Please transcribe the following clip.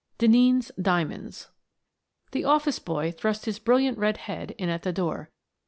denneen's diamonds The office boy thrust his brilliant red head in at the door.